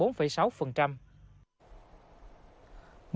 nhật bản ước đạt bảy sáu tỷ đô la mỹ tăng bốn sáu